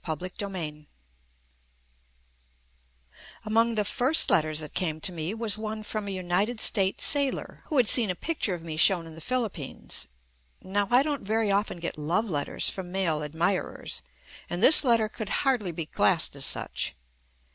JUST ME Among tjie first letters that came to me was one from a United States sailor, who had seen a picture of me shown in the Philippines. Now I don't very often get love letters from male admirers, and this letter could hardly be classed as such.